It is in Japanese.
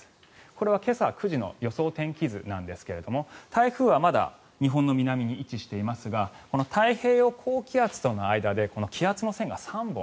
これは今朝９時の予想天気図なんですが台風はまだ日本の南に位置していますがこの太平洋高気圧との間で気圧の線が３本。